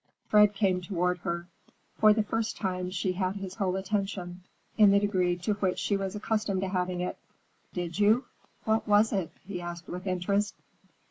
Fred came toward her. For the first time she had his whole attention, in the degree to which she was accustomed to having it. "Did you? What was it?" he asked with interest.